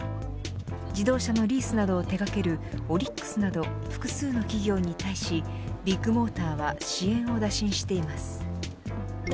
自動車のリースなどを手掛けるオリックスなど複数の企業に対しビッグモーターは支援を打診しています。